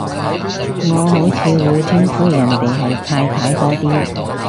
我好似會稱呼人哋係太太多啲